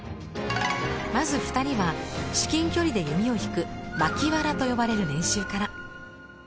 まず２人は至近距離で弓を引く「巻藁」と呼ばれる練習から。